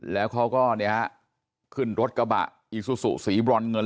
แล้วก็ยัดลงถังสีฟ้าขนาด๒๐๐ลิตร